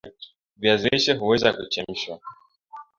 viazi lishe huweza huchemshwa